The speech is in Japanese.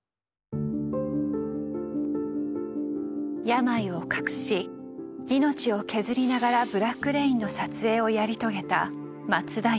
病を隠し命を削りながら「ブラック・レイン」の撮影をやり遂げた松田優作。